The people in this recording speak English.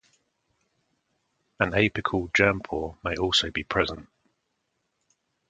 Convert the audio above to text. An apical germ pore may also be present.